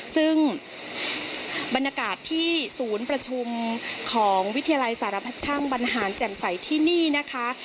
ซึ่งบรรยากาศที่ศูนย์ประชุมของวิทยาลัยสารพัดช่างบรรหารแจ่มใสที่นี่นะคะ